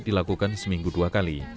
dilakukan seminggu dua kali